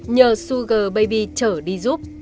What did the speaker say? nhờ sugar baby trở đi giúp